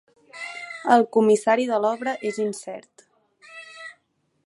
El comissari de l'obra és incert.